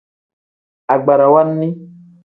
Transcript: Agbarawa nni.